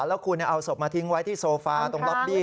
แล้วคุณเอาศพมาทิ้งไว้ที่โซฟาตรงล็อบบี้